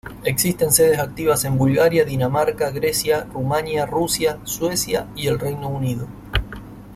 Existen sedes activas en Bulgaria, Dinamarca, Grecia, Rumania, Rusia, Suecia y el Reino Unido.